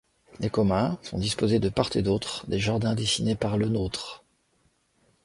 Les communs sont disposés de part et d'autre des jardins dessinés par Le Nôtre.